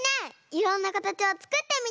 いろんなかたちをつくってみたい！